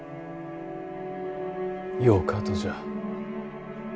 よかとじゃ。